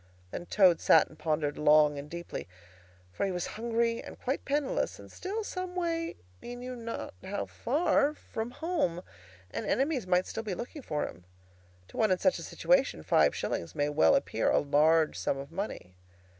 Then Toad sat and pondered long and deeply. For he was hungry and quite penniless, and still some way—he knew not how far—from home, and enemies might still be looking for him. To one in such a situation, five shillings may very well appear a large sum of money.